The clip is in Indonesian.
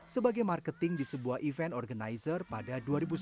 sebagai marketing di sebuah event organizer pada dua ribu sembilan belas